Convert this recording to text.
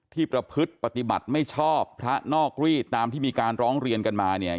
ประพฤติปฏิบัติไม่ชอบพระนอกรีดตามที่มีการร้องเรียนกันมาเนี่ย